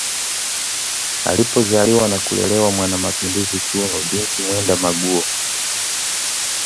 alipozaliwa na kulelewa mwana mapinduzi Tunu Binti Mwenda Maguo